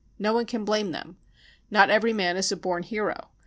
No one can blame them. Not every man is a born hero.